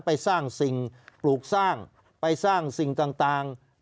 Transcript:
ไปสร้างสิ่งปลูกสร้างไปสร้างสิ่งต่าง